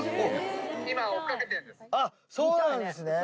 今、そうなんですね。